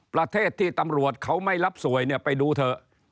ประเทศที่ตำรวจเขาไม่รับสวยเนี่ยไปดูเถอะ